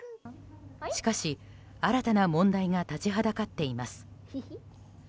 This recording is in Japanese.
しかし、新たな問題が立ちはだかっています。